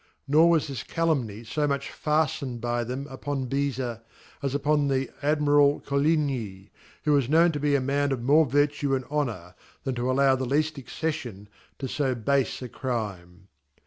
Nor was fhis r CaVumnyfo much fajlened by them upon Beza, as upon the Admiral Coligni, 'who was known to be a man of more Vertue and Honour, than to allow tHe leajl accejjicn to Jo bafe a Crime.